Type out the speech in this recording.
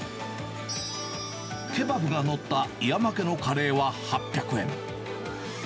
ケバブが載った岩間家のカレーは８００円。